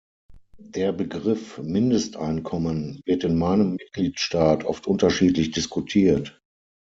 Der Begriff Mindesteinkommen wird in meinem Mitgliedstaat oft unterschiedlich diskutiert.